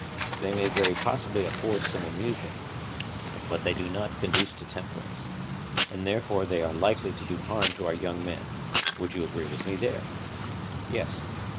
They may very possibly afford some amusement, but they do not conduce to temperance. And therefore they are likely to do harm to our young men—you would agree with me there? Yes.